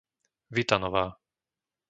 Vitanová